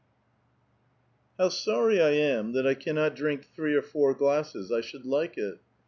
'' How sorrv I am that I cannot drink three or four glasses ; I should like it."